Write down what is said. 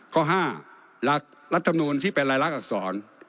ข้อ๕หลักรัฐมนูลที่เป็นรายลักษร